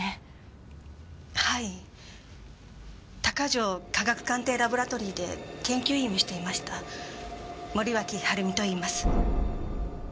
鷹城科学鑑定ラボラトリーで研究員をしていました森脇治美といいます。